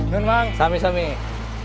ladang ladang ladang